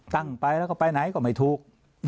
ตั้งไปแล้วก็ไปไหนก็ไม่ถูก